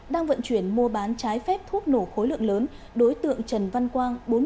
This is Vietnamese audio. đang vận chuyển mua bán trái phép thuốc nổ khối lượng lớn đối tượng trần văn quang